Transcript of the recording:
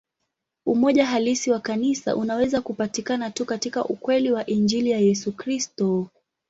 Umoja halisi wa Kanisa unaweza kupatikana tu katika ukweli wa Injili ya Yesu Kristo.